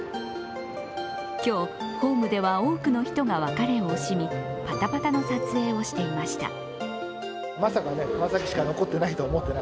今日、ホームでは多くの人が別れを惜しみパタパタの撮影をしていました。